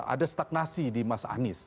ada stagnasi di mas anies